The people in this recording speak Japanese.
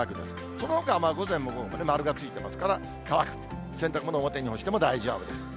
そのほかは午前も午後も丸がついてますから、乾く、洗濯物、表に干しても大丈夫です。